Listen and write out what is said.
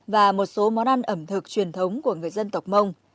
và một số món ăn ẩm thực truyền thống của người dân tộc mông